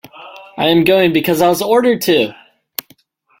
I am going because I was ordered to!